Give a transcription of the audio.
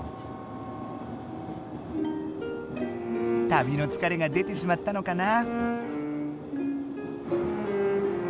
旅のつかれが出てしまったのかな。